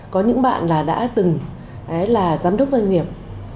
có những bạn là đã từng là giám đốc doanh nghiệp